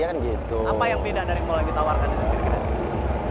apa yang beda dari mall yang ditawarkan